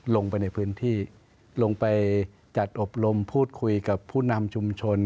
ลงไปในพื้นที่ลงไปจัดอบรมพูดคุยกับผู้นำชุมชน